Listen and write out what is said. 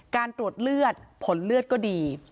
การตรวจเลือดผลเลือดก็ดี